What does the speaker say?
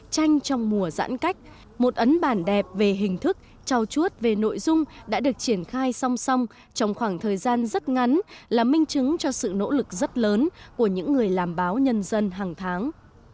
tranh trong mùa giãn cách một ấn bản đẹp về hình thức trao chuốt về nội dung đã được triển khai song song trong khoảng thời gian rất ngắn là minh chứng cho sự nỗ lực rất lớn của những người làm báo nhân dân hàng tháng